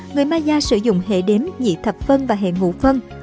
người maya sử dụng hệ đếm nhị thập phân và hệ ngũ phân